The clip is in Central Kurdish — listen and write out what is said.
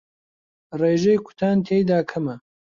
ڕێژەی کوتان تێیدا کەمە